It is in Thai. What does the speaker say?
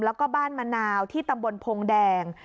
แล้วก็บ้านมะนาวที่ตำบลพงแดง